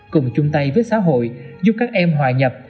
cùng chung tay với xã hội giúp các em hòa nhập